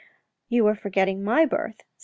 " You are forgetting my birth," said M.